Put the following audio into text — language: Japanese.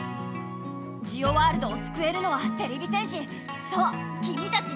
ジオワールドをすくえるのはてれび戦士そうきみたちだけメラ！